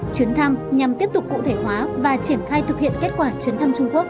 chuyến thăm nhằm tiếp tục cụ thể hóa và triển khai thực hiện kết quả chuyến thăm trung quốc